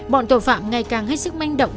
bọn tội phạm ngày càng hết sức manh động